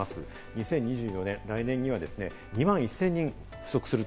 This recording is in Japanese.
２０２４年、来年には２万１０００人不足する。